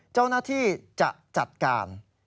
เจ้าหน้าที่จะจัดการ